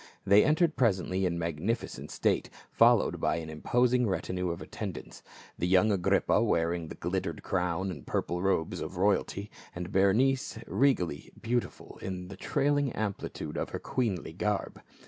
They entered presently in magnificent state, followed by an imposing retinue of attendants. The young Agrippa wearing the glittering crown and purple robes of royalty, and Berenice, regally beautiful in the trailing amplitude of her queenly garb.